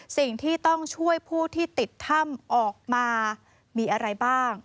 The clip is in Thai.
สิ่งที่ต้องช่วยผู้ที่ติดถ้ำออกมามีอะไรบ้าง